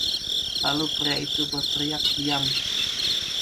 Lalu pria itu berteriak, Diam.